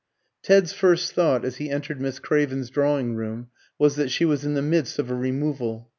Ted's first thought as he entered Miss Craven's drawing room was that she was in the midst of a removal.